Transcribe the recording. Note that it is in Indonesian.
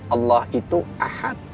allah itu ahad